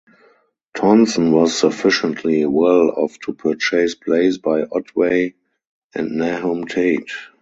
Tonson was sufficiently well off to purchase plays by Otway and Nahum Tate.